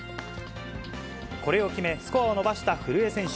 これを決め、スコアを伸ばした古江選手。